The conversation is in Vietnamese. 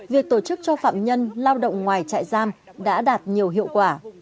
việc tổ chức cho phạm nhân lao động ngoài trại giam đã đạt nhiều hiệu quả